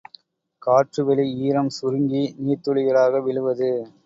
காற்றுவெளி ஈரம் சுருங்கி நீர்த்துளிகளாக விழுவது.